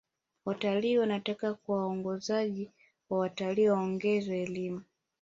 watalii wanataka waongozaji wa watalii waongezewe elimu